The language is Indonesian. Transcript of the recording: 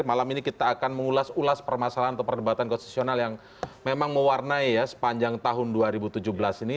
malam ini kita akan mengulas ulas permasalahan atau perdebatan konstitusional yang memang mewarnai ya sepanjang tahun dua ribu tujuh belas ini